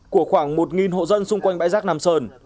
của khoảng một hộ dân xung quanh bãi rác nam sơn